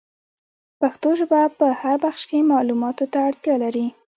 پښتو ژبه په هر بخش کي معلوماتو ته اړتیا لري.